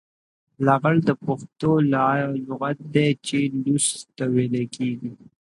لغړ د پښتو لغت دی چې لوڅ ته ويل کېږي.